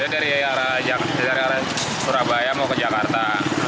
dari arah surabaya mau ke jakarta